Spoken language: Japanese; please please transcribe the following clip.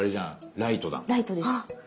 ライトです。